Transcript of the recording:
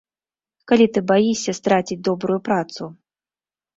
Калі ты баішся страціць добрую працу?